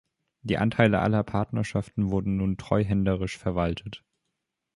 Die Anteile aller Partnerschaften wurden nun treuhänderisch verwaltet.